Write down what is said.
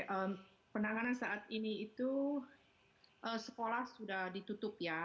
oke penanganan saat ini itu sekolah sudah ditutup ya